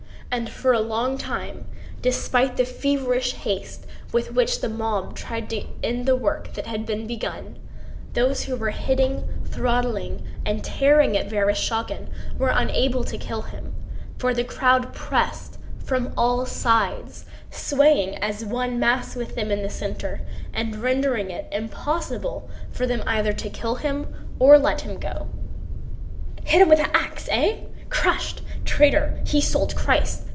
And for a long time, despite the feverish haste with which the mob tried to end the work that had been begun, those who were hitting, throttling, and tearing at Vereshchágin were unable to kill him, for the crowd pressed from all sides, swaying as one mass with them in the center and rendering it impossible for them either to kill him or let him go. "Hit him with an ax, eh!... Crushed?... Traitor, he sold Christ....